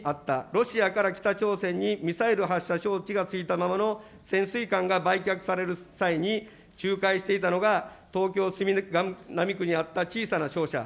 ロシアから北朝鮮にミサイル発射装置がついたままの潜水艦が売却される際に、仲介していたのが、東京・杉並区にあった小さな商社。